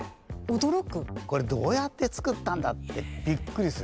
これどうやって作ったんだってびっくりする。